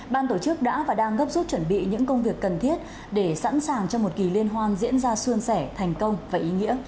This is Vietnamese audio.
ban tổ chức đã và đang gấp rút chuẩn bị những công việc cần thiết để sẵn sàng cho một kỳ liên hoan diễn ra xuân sẻ thành công và ý nghĩa